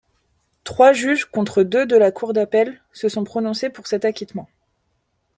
Trois juges contre deux de la cour d'appel se sont prononcés pour cet acquittement.